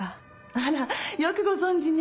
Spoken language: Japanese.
あらよくご存じね。